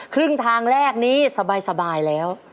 ครึ่งทางแรกนี้สบายแล้ว